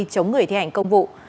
chống người thi hành công vụ